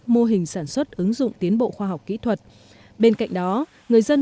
mô hình sản xuất ứng dụng tiến bộ khoa học kỹ thuật bên cạnh đó người dân